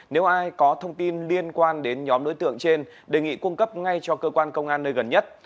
nếu ai có thông tin liên quan đến nhóm đối tượng trên đề nghị cung cấp ngay cho cơ quan công an nơi gần nhất